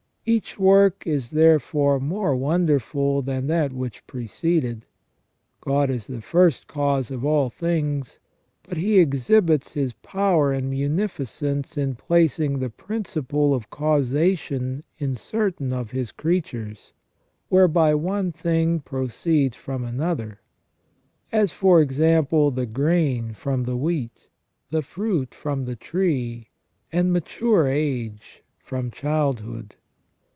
Each work is therefore more wonderful than that which preceded. God is the first cause of all things; but He exhibits His power and munificence in placing the principle of causation in certain of His creatures, whereby one thing proceeds from another ; as, for example, the grain from the wheat, the fruit from the tree, and mature age from childhood.